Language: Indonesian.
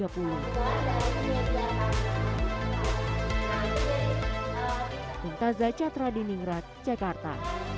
pintas zaychad radin ingrat jakarta